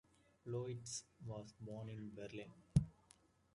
Ploetz was born in Berlin.